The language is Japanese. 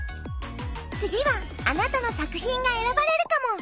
次はあなたの作品が選ばれるかも！